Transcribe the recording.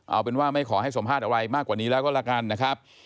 เอาเป็นว่าไม่ขอให้สัมภาษณ์อะไรมากกว่านี้แล้วก็ละกันนะครับ